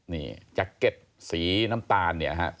นี่แจ็คเก็ตสีน้ำตาลเนี่ยฮะ